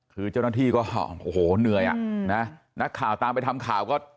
คือเจ้าหน้าที่ก็โอ้โหเหนื่อยอ่ะนะนักข่าวตามไปทำข่าวก็